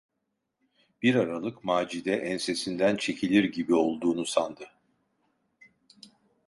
Bir aralık Macide ensesinden çekilir gibi olduğunu sandı.